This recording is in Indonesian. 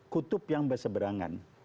kutub yang berseberangan